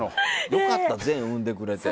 良かった、善、産んでくれて。